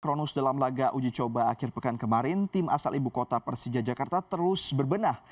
kronos dalam laga uji coba akhir pekan kemarin tim asal ibu kota persija jakarta terus berbenah